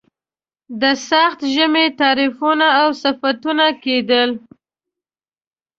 د سخت ژمي تعریفونه او صفتونه کېدل.